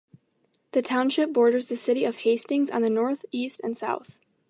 The township borders the city of Hastings on the north, east, and south.